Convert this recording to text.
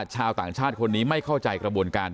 ชาวต่างชาติคนนี้ไม่เข้าใจกระบวนการ